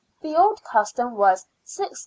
The old custom was 6s.